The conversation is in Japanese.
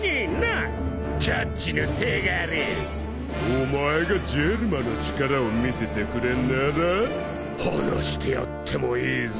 お前がジェルマの力を見せてくれんなら離してやってもいいぜ？